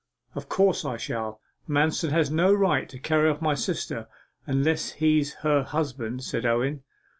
'Of course I shall! Manston has no right to carry off my sister unless he's her husband,' said Owen.